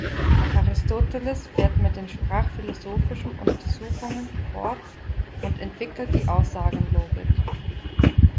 Aristoteles fährt mit den sprachphilosophischen Untersuchungen fort und entwickelt die Aussagenlogik.